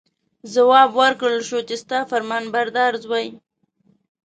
جواب ورکړل شو چې ستا فرمانبردار زوی.